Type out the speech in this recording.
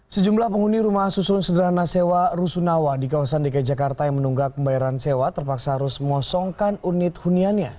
sejumlah penghuni rumah susun sederhana sewa rusunawa di kawasan dki jakarta yang menunggak pembayaran sewa terpaksa harus mengosongkan unit huniannya